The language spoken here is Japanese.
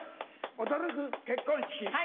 驚く結婚式。